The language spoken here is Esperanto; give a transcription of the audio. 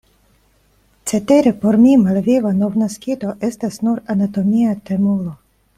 Cetere por mi malviva novnaskito estas nur anatomia temulo.